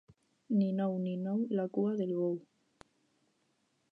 Ninou, ninou, la cua del bou.